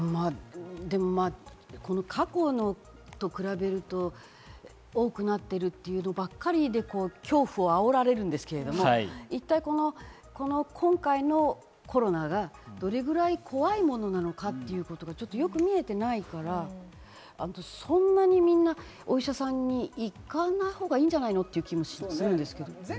でも過去のものと比べると多くなっているというのばっかりで、恐怖を煽られるんですけど、一体、この今回のコロナがどれぐらい怖いものなのかっていうことがよく見えていないから、そんなにみんなお医者さんに行かないほうがいいんじゃないの？っていう気もするんですけど。